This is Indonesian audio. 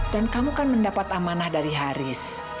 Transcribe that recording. dan kamu kan mendapat amanah dari haris